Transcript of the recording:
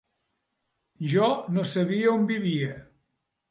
Jo no sabia on vivia.